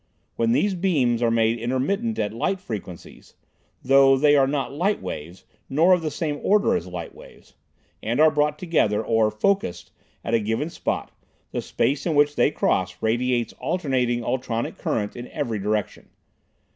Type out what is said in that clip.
When these beams are made intermittent at light frequencies (though they are not light waves, nor of the same order as light waves) and are brought together, or focussed, at a given spot, the space in which they cross radiates alternating ultronic current in every direction.